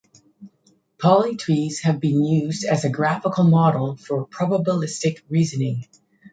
Polytrees have been used as a graphical model for probabilistic reasoning.